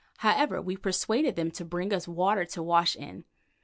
However, we persuaded them to bring us water to wash in.